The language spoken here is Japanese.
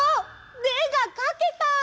「で」がかけた！